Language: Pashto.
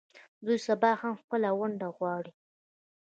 دوی سبا هم خپله ونډه غواړي.